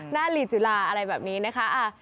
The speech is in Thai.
ลีจุลาอะไรแบบนี้นะคะ